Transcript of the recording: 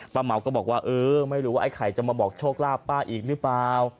เหมาก็บอกว่าเออไม่รู้ว่าไอ้ไข่จะมาบอกโชคลาภป้าอีกหรือเปล่า